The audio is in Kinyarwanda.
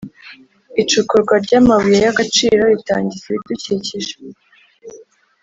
icukurwa ry’amabuye y’agaciro ritangiza ibidukikije